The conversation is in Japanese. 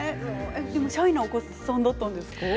シャイなお子さんだったんですか？